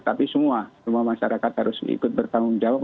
tapi semua semua masyarakat harus ikut bertanggung jawab